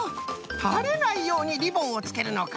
たれないようにリボンをつけるのか。